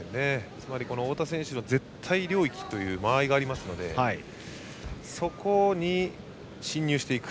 つまり太田選手の絶対領域という間合いがありますのでそこに、進入していく。